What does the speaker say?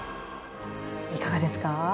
いかがですか？